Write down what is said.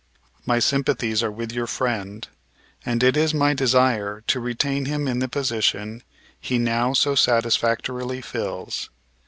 My sympathies are with your friend and it is my desire to retain him in the position he now so satisfactorily fills.